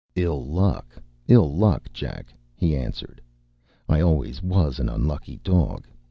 ” “Ill luck, ill luck, Jack,” he answered. “I always was an unlucky dog.